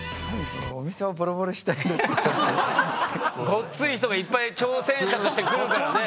ごっつい人がいっぱい挑戦者として来るからね。